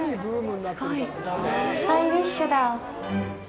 すごいスタイリッシュだ。